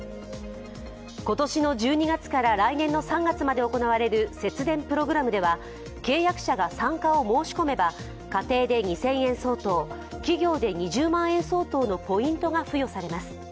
今年の１２月から来年の３月まで行われる節電プログラムでは契約者が参加を申し込めば家庭で２０００円相当企業で２０万円相当のポイントが付与されます。